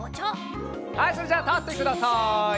はいそれじゃあたってください！